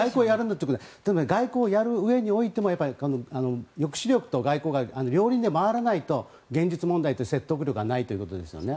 でも外交をやる上においても抑止力と外交が両輪で回らないと現実問題、説得力がないということですよね。